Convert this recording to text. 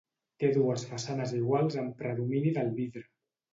Té dues façanes iguals amb predomini del vidre.